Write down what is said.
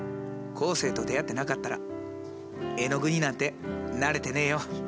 生と出会ってなかったらえのぐになんてなれてねえよ。